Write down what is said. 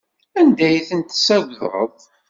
Anda ay tent-tessagdeḍ?